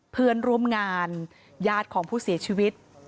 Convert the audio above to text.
เพื่อนร่วมงานญาติของผู้เสียชีวิต